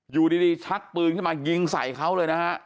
อยู่ดีชักปืนขึ้นมายิงใส่เขาเลยนะฮะ